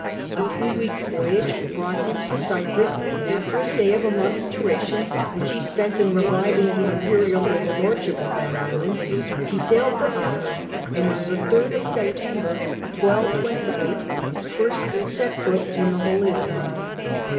A three weeks' voyage brought him to Cyprus, and after a stay of a month's duration, which he spent in reviving the imperial overlordship of that island, he sailed for Acre and on the 3rd of September, 1228, first set foot in the Holy Land.